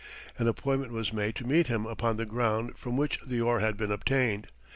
An appointment was made to meet him upon the ground from which the ore had been obtained.